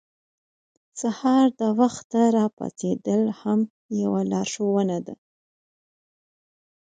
سهار د وخته راپاڅېدل هم یوه لارښوونه ده.